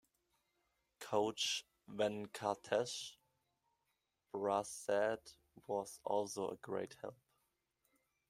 Coach Venkatesh Prasad was also a great help.